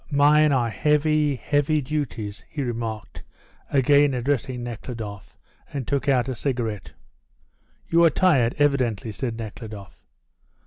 "Mine are heavy, heavy duties," he remarked, again addressing Nekhludoff, and took out a cigarette. "You are tired, evidently," said Nekhludoff.